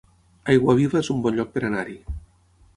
Aiguaviva es un bon lloc per anar-hi